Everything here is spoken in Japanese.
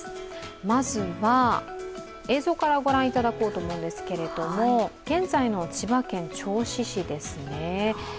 まずは映像から御覧いただこうと思うんですが、現在の千葉県銚子市ですね。